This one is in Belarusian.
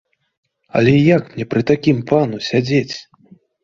Але як мне пры такім пану сядзець?